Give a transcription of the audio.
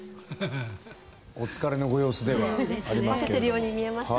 お疲れのご様子ではありますが。